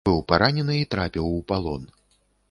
Быў паранены і трапіў у палон.